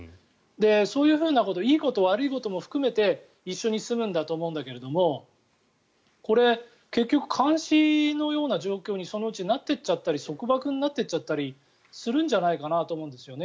そういうこといいこと悪いことも含めて一緒に住むんだと思うけど結局監視のような状況にそのうちなると束縛になってったりするんじゃないかなと思うんですよね。